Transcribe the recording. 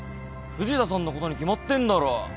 藤田さんのことに決まってんだろ。